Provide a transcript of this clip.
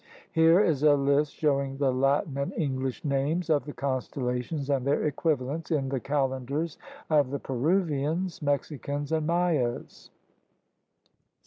Here is a list showing the Latin and English names of the constellations and their equivalents in the calendars of the Peruvians, Mexicans, and Mayas.